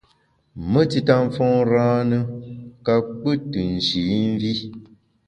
Me tita mfôn râne ka pkù tù nshî mvi.